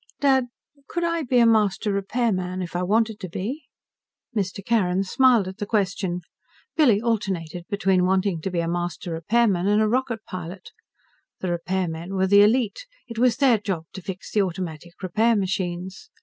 "Dad, could I be a Master Repairman if I wanted to be?" Mr. Carrin smiled at the question. Billy alternated between wanting to be a Master Repairman and a rocket pilot. The repairmen were the elite. It was their job to fix the automatic repair machines.